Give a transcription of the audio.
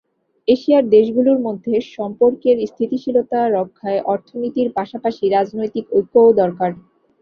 এশিয়ার দেশগুলোর মধ্যে সম্পর্কের স্থিতিশীলতা রক্ষায় অর্থনীতির পাশাপাশি রাজনৈতিক ঐক্যও দরকার।